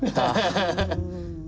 ハハハハ。